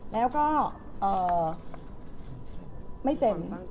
แล้วก็ไม่เซ็น